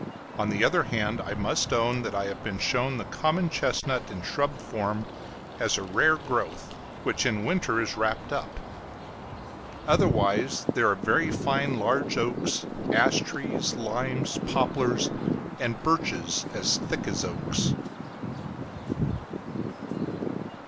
On the other hand, I must own that I have been shown the common chestnut in shrub form as a rare growth, which in winter is wrapped up; otherwise, there are very fine large oaks, ash trees, limes, poplars, and birches as thick as oaks.